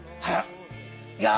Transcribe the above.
はい。